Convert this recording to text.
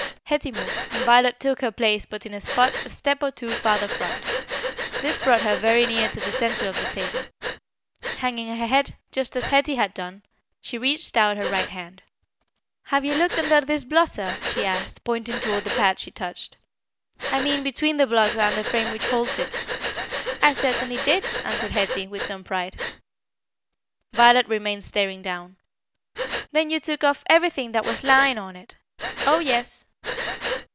Hetty moved, and Violet took her place but in a spot a step or two farther front. This brought her very near to the centre of the table. Hanging her head, just as Hetty had done, she reached out her right hand. "Have you looked under this blotter?" she asked, pointing towards the pad she touched. "I mean, between the blotter and the frame which holds it?" "I certainly did," answered Hetty, with some pride. Violet remained staring down. "Then you took off everything that was lying on it?" "Oh, yes."